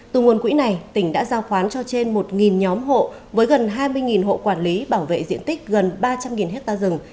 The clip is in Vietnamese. từ nguồn quỹ này tỉnh đã giao khoán cho trên một nhóm hộ với gần hai mươi hộ quản lý bảo vệ diện tích gần ba trăm linh hectare rừng